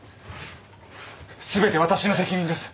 全て私の責任です。